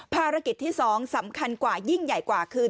ภารกิจที่๒สำคัญกว่ายิ่งใหญ่กว่าคือ